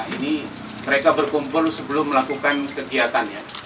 ini mereka berkumpul sebelum melakukan kegiatan ya